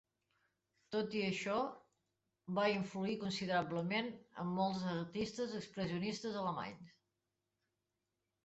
Tot i això, va influir considerablement en molts artistes expressionistes alemanys.